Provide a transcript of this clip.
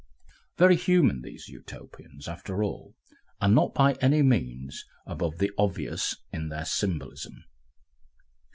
Very human these Utopians, after all, and not by any means above the obvious in their symbolism!